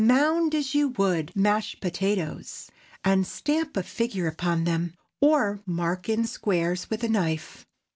Mound as you would mashed potatoes, and stamp a figure upon them, or mark in squares with a knife.